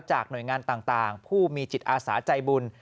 หน่วยงานต่างผู้มีจิตอาสาใจบุญ